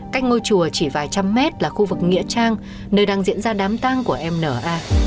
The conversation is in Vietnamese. cách ngôi chùa chỉ vài trăm mét là khu vực nghĩa trang nơi đang diễn ra đám tang của em n a